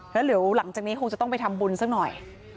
แล้วเดี๋ยวหลังจากนี้คงจะต้องไปทำบุญสักหน่อย